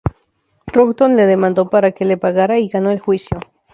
Troughton le demandó para que le pagara y ganó el juicio.